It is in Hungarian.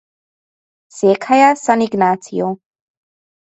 Székhelye San Ignacio.